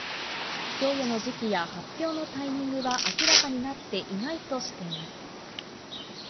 供与の時期や発表のタイミングは明らかになっていないとしています。